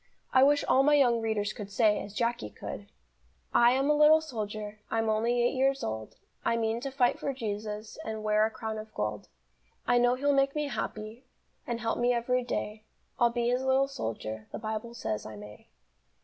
I wish all my young readers could say, as Jacky could: "I am a little soldier, I'm only eight years old, I mean to fight for Jesus And wear a crown of gold. I know He'll make me happy, And help me every day, I'll be His little soldier, The Bible says I may."